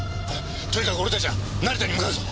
とにかく俺たちは成田に向かうぞ。